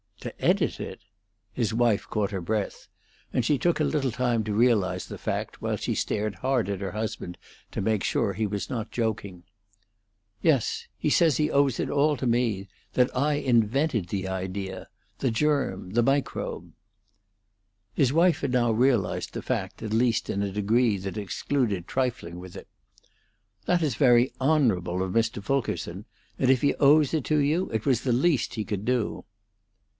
"To edit it?" His wife caught her breath, and she took a little time to realize the fact, while she stared hard at her husband to make sure he was not joking. "Yes. He says he owes it all to me; that I invented the idea the germ the microbe." His wife had now realized the fact, at least in a degree that excluded trifling with it. "That is very honorable of Mr. Fulkerson; and if he owes it to you, it was the least he could do."